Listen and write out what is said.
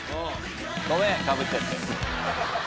ごめんかぶっちゃって。